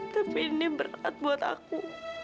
tapi ini berat buat aku